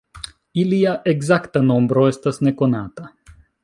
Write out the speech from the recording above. Ilia ekzakta nombro estas nekonata.